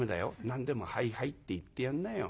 何でも『はいはい』って言ってやんなよ。